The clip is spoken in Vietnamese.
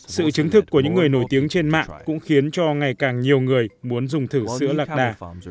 sự chứng thực của những người nổi tiếng trên mạng cũng khiến cho ngày càng nhiều người muốn dùng thử sữa lạc đà